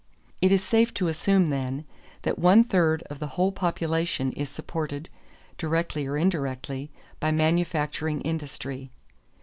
It is safe to assume, then, that one third of the whole population is supported, directly, or indirectly, by manufacturing industry."